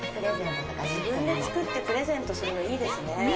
自分で作ってプレゼントするのいいですね。